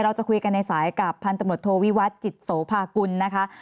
เราจะคุยกันในสายกับพันธมตโทวิวัตรจิตโสภากุลนะคะ